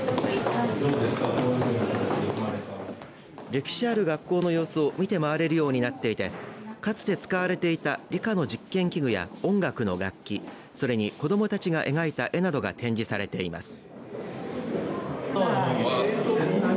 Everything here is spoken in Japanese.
歴史ある学校の様子を見て回れるようになっていてかつて使われていた理科の実験器具や音楽の楽器それに子どもたちが描いた絵などが展示されています。